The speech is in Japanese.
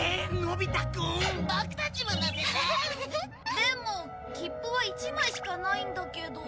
でもキップは１枚しかないんだけど。